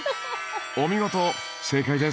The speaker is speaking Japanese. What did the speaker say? お見事正解です。